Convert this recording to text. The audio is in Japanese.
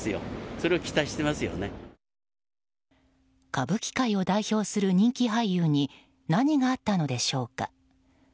歌舞伎界を代表する人気俳優に何があったのでしょうか。